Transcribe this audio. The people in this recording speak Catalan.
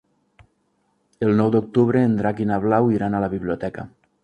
El nou d'octubre en Drac i na Blau iran a la biblioteca.